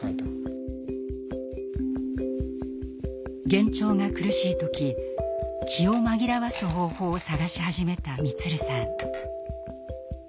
幻聴が苦しい時気を紛らわす方法を探し始めた満さん。